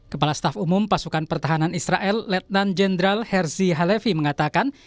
kepala staff umum pasukan pertahanan israel lieutenant general herzi halefi mengatakan